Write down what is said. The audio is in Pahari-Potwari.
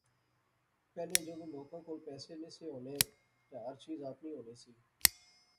پہلیاں جذوں لوکاں کول پیسے نی سی ہونے تے ہر چیز آپنی ہونی سی